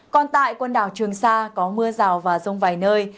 còn tại quần đảo trường sa có mưa rào và rông vài nơi